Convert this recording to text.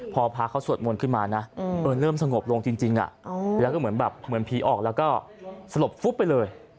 พอพระเขาสวดมนต์ขึ้นมานะเริ่มสงบลงจริงแล้วก็เหมือนแบบเหมือนผีออกแล้วก็สลบฟุบไปเลย